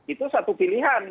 itu satu pilihan